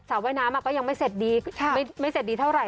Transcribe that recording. ว่ายน้ำก็ยังไม่เสร็จดีไม่เสร็จดีเท่าไห